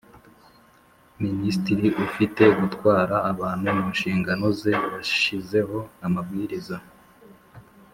Minisitiri ufite gutwara abantu mu nshingano ze yashyizeho amabwiriza.